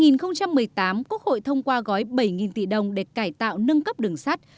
năm hai nghìn một mươi tám quốc hội thông qua gói bảy tỷ đồng để cải tạo nâng cấp đường sắt